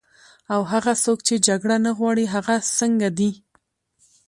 او هغه څوک چې جګړه نه غواړي، هغه څنګه دي؟